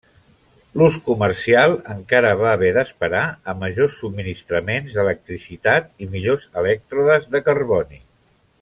L'ús comercial encara va haver d'esperar a majors subministraments d'electricitat i millors elèctrodes de carboni.